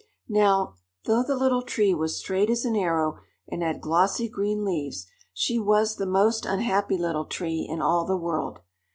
Now, though the Little Tree was straight as an arrow and had glossy green leaves, she was the most unhappy little tree in all the world.